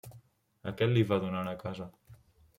Aquest li va donar una casa.